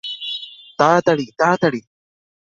তাড়াতাড়ি, তাড়াতাড়ি!